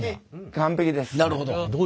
完璧です。